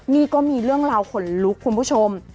นี่ก็มีเรื่องราวขนลุกคุณผู้ชม